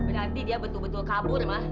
nanti dia betul betul kabur ma